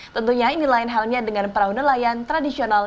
tentunya ini lain halnya dengan perahu nelayan tradisional